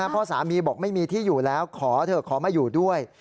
เพราะสามีบอกไม่มีที่อยู่แล้วขอเถอะขอมาอยู่ด้วย